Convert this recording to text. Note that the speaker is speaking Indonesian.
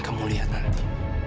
kamu lihat nanti